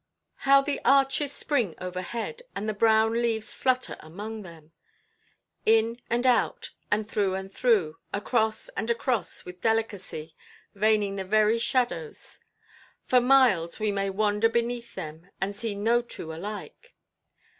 How the arches spring overhead, and the brown leaves flutter among them! In and out, and through and through, across and across, with delicacy, veining the very shadows. For miles we may wander beneath them, and see no two alike.